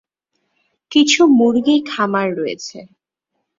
কিছু মুরগি খামার রয়েছে।